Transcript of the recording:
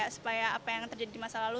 supaya apa yang terjadi di masa lalu